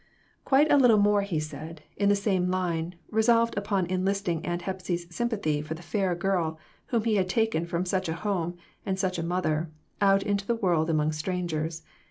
Quite a little more he said, in the same line, resolved upon enlisting Aunt Hepsy's sympathy for the fair girl whom he had taken from such a home and such a mother, out into the world among strangers.